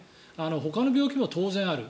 ほかの病気も当然ある。